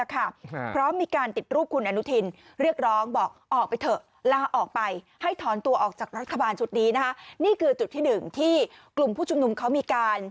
เพราะมีการติดรูปคุณอนุทินเรียกร้องบอกออกไปเถอะลาออกไป